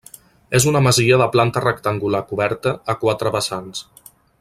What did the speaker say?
És una masia de planta rectangular coberta a quatre vessants.